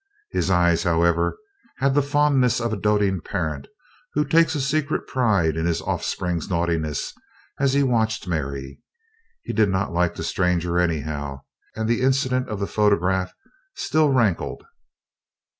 His eyes, however, had the fondness of a doting parent who takes a secret pride in his offspring's naughtiness as he watched Mary. He did not like the stranger, anyhow, and the incident of the photograph still rankled.